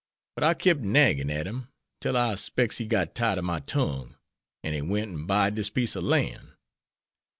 But I kep' naggin at him, till I specs he got tired of my tongue, an' he went and buyed dis piece ob lan'.